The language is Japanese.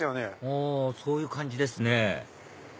あそういう感じですね